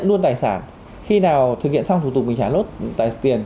luôn tài sản khi nào thực hiện xong thủ tục mình trả lốt tài tiền